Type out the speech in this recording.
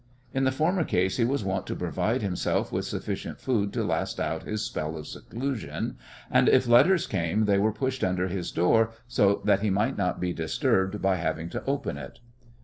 In the former case he was wont to provide himself with sufficient food to last out his spell of seclusion, and if letters came they were pushed under his door so that he might not be disturbed by having to open it.